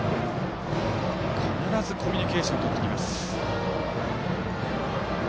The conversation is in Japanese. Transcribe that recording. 必ずコミュニケーションをとってきます。